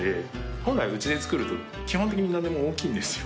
本来うちで作ると基本的に何でも大きいんですよ。